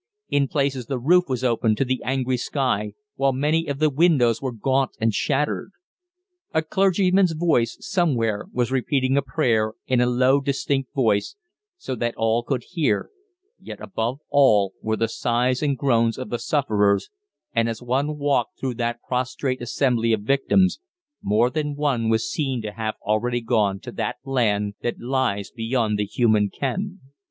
In places the roof was open to the angry sky, while many of the windows were gaunt and shattered. A clergyman's voice somewhere was repeating a prayer in a low, distinct voice, so that all could hear, yet above all were the sighs and groans of the sufferers, and as one walked through that prostrate assembly of victims more than one was seen to have already gone to that land that lies beyond the human ken.